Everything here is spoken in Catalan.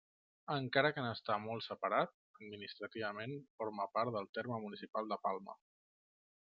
Encara que n'està molt separat, administrativament forma part del terme municipal de Palma.